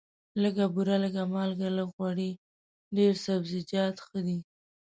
لږه بوره، لږه مالګه، لږ غوړي، ډېر سبزیجات ښه دي.